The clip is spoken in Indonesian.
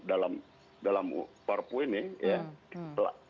dalam dalam parpu ini ya